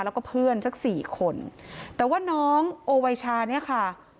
แล้วก็เพื่อนสักสี่คนแต่ว่าน้องโอไวชาเนี่ยค่ะ